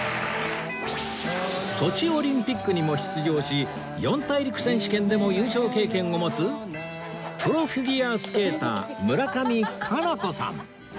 ソチオリンピックにも出場し四大陸選手権でも優勝経験を持つプロフィギュアスケーター村上佳菜子さん